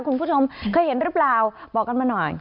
คุณผู้ชมเคยเห็นหรือเปล่าบอกกันมาหน่อย